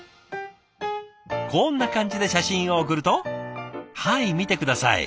こんな感じで写真を送るとはい見て下さい。